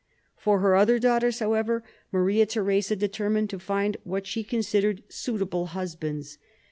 For her other daughters, however, Maria Theresa, determined to find what she considered suitable husbands.